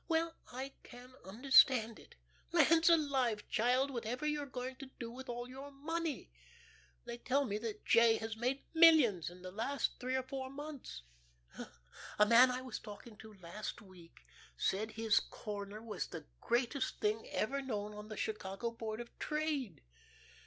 "Well, I can understand it. Lands alive, child whatever are you going to do with all your money? They tell me that J. has made millions in the last three or four months. A man I was talking to last week said his corner was the greatest thing ever known on the Chicago Board of Trade.